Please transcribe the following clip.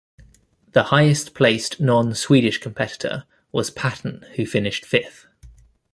The highest placed non-Swedish competitor was Patton, who finished fifth.